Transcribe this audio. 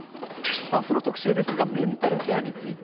さあ、あすの特集ですが、メンタルケアについて。